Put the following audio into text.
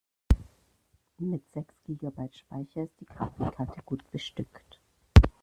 Mit sechs Gigabyte Speicher ist die Grafikkarte gut bestückt.